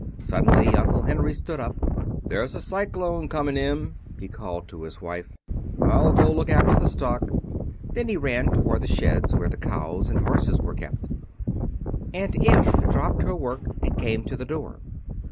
Suddenly Uncle Henry stood up. "There's a cyclone coming, Em," he called to his wife. "I'll go look after the stock." Then he ran toward the sheds where the cows and horses were kept. Aunt Em dropped her work and came to the door.